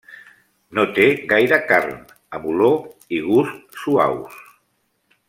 No té gaire carn, amb olor i gust suaus.